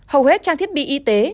hầu hết trang thiết bị y tế